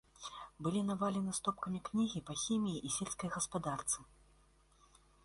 Былі навалены стопкамі кнігі па хіміі і сельскай гаспадарцы.